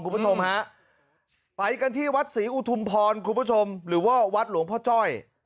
คุณผู้ชมฮะไปกันที่วัดศรีอุทุมพรคุณผู้ชมหรือว่าวัดหลวงพ่อจ้อย